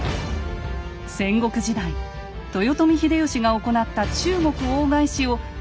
戦国時代豊臣秀吉が行った中国大返しをはるかに上回る速さ。